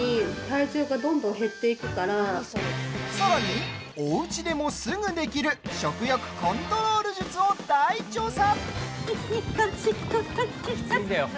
さらに、おうちでもすぐできる食欲コントロール術を大調査。